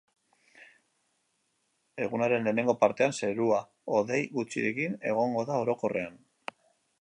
Egunaren lehenengo partean zerua hodei gutxirekin egongo da orokorrean.